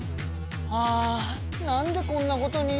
あなんでこんなことに。